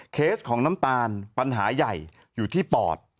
เคสของน้ำตาลปัญหาใหญ่อยู่ที่ปอด